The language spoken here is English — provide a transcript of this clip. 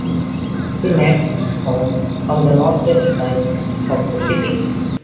He made his home on the northwest side of the city.